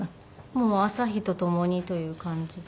もう朝日とともにという感じで。